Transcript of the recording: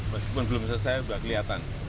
meskipun belum selesai kelihatan